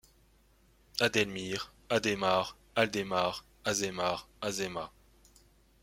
Adelmire, Adhémar, Aldemar, Azémar, Azéma.